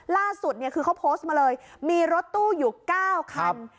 ล่าสุดเนี่ยคือเขาโพสต์มาเลยมีรถตู้อยู่๙คัน